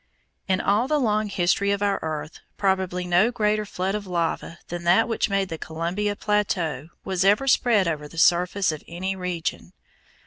In all the long history of our earth probably no greater flood of lava than that which made the Columbia plateau was ever spread over the surface of any region.